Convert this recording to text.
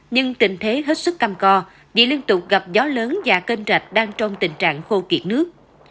nhưng tình thế hết sức cam co vì liên tục gặp gió lớn và kênh rạch đang trong tình trạng khô kiệt nước